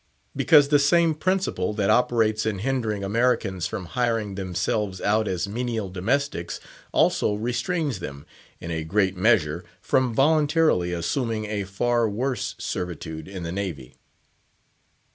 Because the same principle that operates in hindering Americans from hiring themselves out as menial domestics also restrains them, in a great measure, from voluntarily assuming a far worse servitude in the Navy.